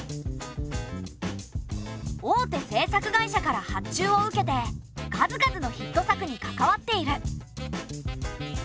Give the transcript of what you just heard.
大手制作会社から発注を受けて数々のヒット作に関わっている。